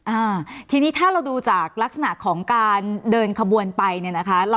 อ่าทีนี้ถ้าเราดูจากลักษณะของการเดินขบวนไปเนี่ยนะคะ